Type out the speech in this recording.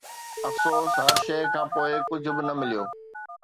افسوس، هر شيء کان پوء، ڪجهه به نه مليو